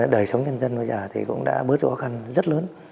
đời sống dân dân bây giờ thì cũng đã bớt quá khăn rất lớn